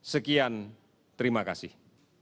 sekian terima kasih